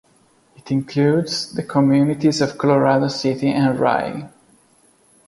It includes the communities of Colorado City and Rye.